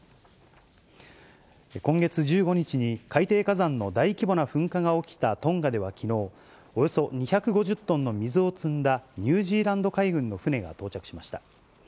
今月１５日に、海底火山の大規模な噴火が起きたトンガではきのう、およそ２５０トンの水を積んだニュージーランド海軍の船が到着しました。